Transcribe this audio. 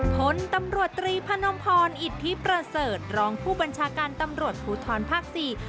ผลตำรวจตรีพนมพรอิทธิประเสริฐรองผู้บัญชาการตำรวจภูทรภาคสี่